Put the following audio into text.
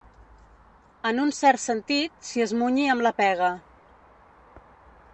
En un cert sentit, s'hi esmunyi amb la pega.